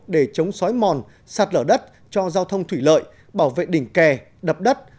để chống xói mòn sạt lở đất cho giao thông thủy lợi bảo vệ đỉnh kè đập đất